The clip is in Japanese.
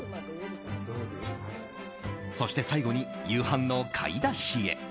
そして、最後に夕飯の買い出しへ。